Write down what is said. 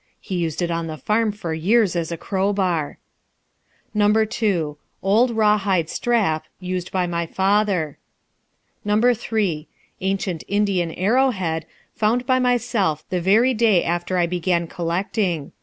(He used it on the farm for years as a crowbar.) No. 2. Old raw hide strap, used by my father. No. 3. Ancient Indian arrowhead, found by myself the very day after I began collecting.